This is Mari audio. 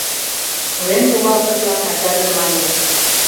Пурен шогалшыжла ачаже мане: